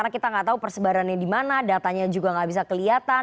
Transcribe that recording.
kita tahu persebarannya di mana datanya juga tidak bisa kelihatan